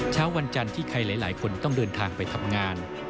วันจันทร์ที่ใครหลายคนต้องเดินทางไปทำงาน